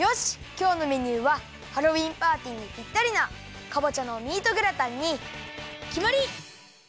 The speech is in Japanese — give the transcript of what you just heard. きょうのメニューはハロウィーンパーティーにぴったりなかぼちゃのミートグラタンにきまり！